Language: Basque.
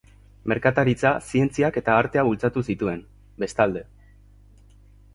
Merkataritza, zientziak eta artea bultzatu zituen, bestalde.